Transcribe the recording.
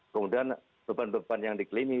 kemudian beban beban yang diklini